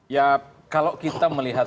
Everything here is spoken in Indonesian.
ya kalau kita melihat